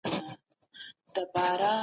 موږ باید د پخوانیو اثارو ښه ساتنه وکړو.